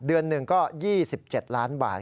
เดือนหนึ่งก็๒๗ล้านบาท